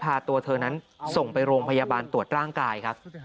พาตัวเธอนั้นส่งไปโรงพยาบาลตรวจร่างกายครับ